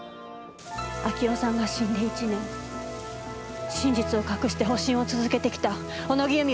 明夫さんが死んで１年真実を隠して保身を続けてきた小野木由美を私は許さない。